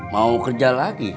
mau kerja lagi